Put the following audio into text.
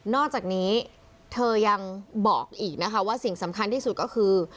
อกจากนี้เธอยังบอกอีกนะคะว่าสิ่งสำคัญที่สุดก็คือ